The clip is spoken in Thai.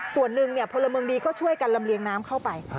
ส่วนหนึ่งพลเมืองดีก็ช่วยกันลำเลียงน้ำเข้าไป